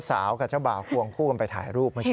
กับเจ้าบ่าวควงคู่กันไปถ่ายรูปเมื่อกี้